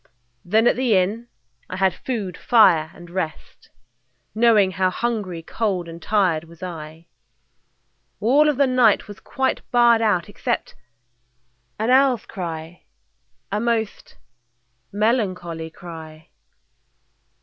Then at the inn I had food, fire, and rest, Knowing how hungry, cold, and tired was I. All of the night was quite barred out except An owl's cry, a most melancholy cry.